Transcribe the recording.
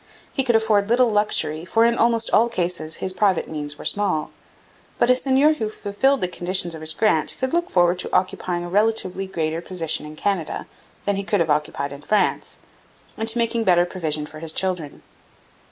He could afford little luxury, for in almost all cases his private means were small. But a seigneur who fulfilled the conditions of his grant could look forward to occupying a relatively greater position in Canada than he could have occupied in France, and to making better provision for his children.